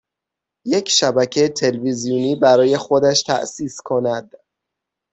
یک شبکه تلویزیونی برای خودش تاسیس کند